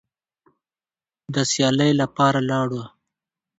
د سیالۍ لپاره لاړه